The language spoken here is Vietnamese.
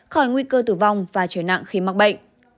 khỏi nguy cơ tử vong và trời nặng khi mắc bệnh